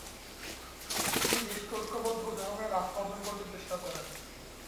তিনি দেশকে ঐক্যবদ্ধ ও জনগণের আস্থা অর্জন করতে চেষ্টা করেন।